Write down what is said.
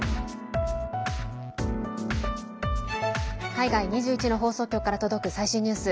海外２１の放送局から届く最新ニュース。